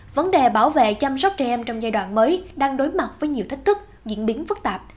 vấn đề bảo vệ chăm sóc trẻ em trong giai đoạn mới đang đối mặt với nhiều thách thức diễn biến phức tạp